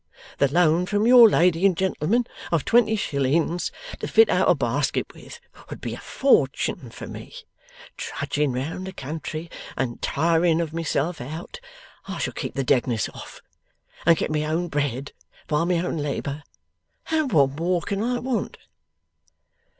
The loan from your lady and gentleman of twenty shillings to fit out a basket with, would be a fortune for me. Trudging round the country and tiring of myself out, I shall keep the deadness off, and get my own bread by my own labour. And what more can I want?